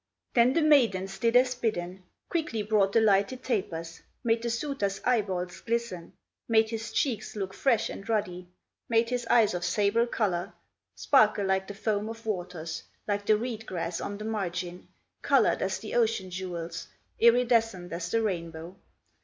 Then the maidens did as bidden, Quickly brought the lighted tapers, Made the suitor's eyeballs glisten, Made his cheeks look fresh and ruddy; Made his eyes of sable color Sparkle like the foam of waters, Like the reed grass on the margin, Colored as the ocean jewels, Iridescent as the rainbow.